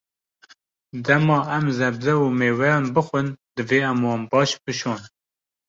Dema em sebze û mêweyan bixwin, divê em wan baş bişon.